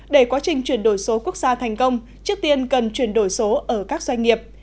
để quá trình chuyển đổi số quốc gia thành công trước tiên cần chuyển đổi số ở các doanh nghiệp